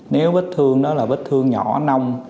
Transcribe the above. nếu bích thương đó là bích thương nhỏ nong